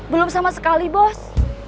belum sama sekali bos